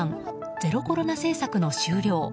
ゼロコロナ政策の終了。